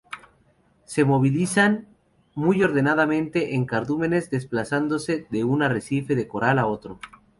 Se movilizan muy ordenadamente en cardúmenes, desplazándose de un arrecife de coral a otro.